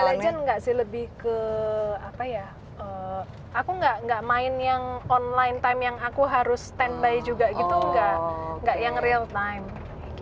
intelijen nggak sih lebih ke apa ya aku nggak main yang online time yang aku harus standby juga gitu nggak yang real time